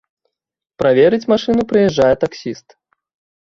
Праверыць машыну прыязджае таксіст.